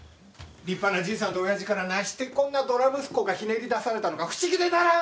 立派なじいさんと親父からなしてこんなどら息子がひねり出されたのか不思議でならん！